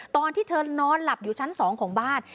ตอนที่เธอนอนหลับอยู่ชั้น๒ของบ้าน